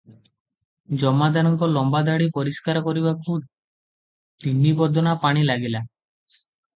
ଜମାଦାରଙ୍କ ଲମ୍ବାଦାଢ଼ି ପରିଷ୍କାର କରିବାକୁ ତିନି ବଦନା ପାଣି ଲାଗିଲା ।